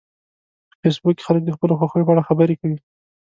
په فېسبوک کې خلک د خپلو خوښیو په اړه خبرې کوي